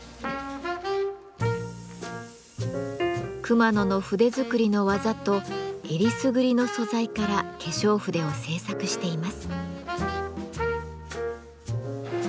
熊野の筆作りの技とえりすぐりの素材から化粧筆を製作しています。